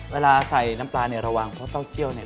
เวลาใส่น้ำปลาเนี่ยระวังเพราะเต้าเจี่ยวเนี่ย